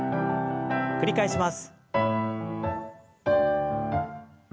繰り返します。